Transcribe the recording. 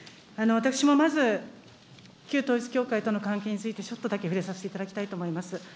私もまず、旧統一教会との関係についてちょっとだけ触れさせていただきたいと思います。